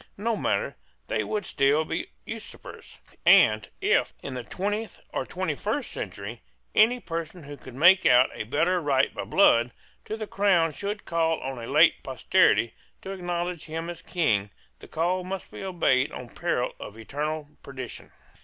No matter: they would still be usurpers; and, if, in the twentieth or twenty first century, any person who could make out a better right by blood to the crown should call on a late posterity to acknowledge him as King, the call must be obeyed on peril of eternal perdition.